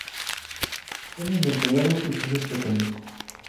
Come invertebrados y peces pequeños.